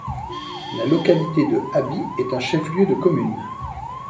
La localité de Aby est un chef-lieu de commune.